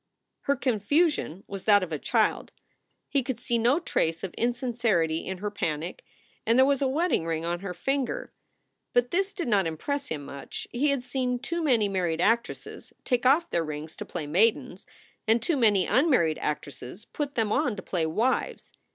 Her confusion was that of a child. He could see no trace of insincerity in her panic and there was a wedding ring on her finger. But this did not impress him much; he had seen too many married actresses take off their rings to play maidens, and too many unmarried actresses put them on to play wives.